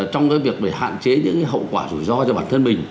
trong cái việc để hạn chế những cái hậu quả rủi ro cho bản thân mình